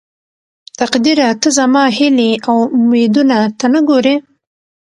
تقديره ته زما هيلې او اميدونه ته نه ګورې.